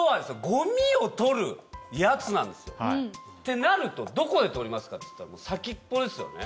ゴミを取るやつなんですよ。ってなるとどこで取りますかっつったら先っぽですよね。